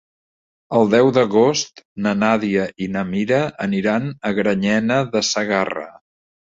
El deu d'agost na Nàdia i na Mira aniran a Granyena de Segarra.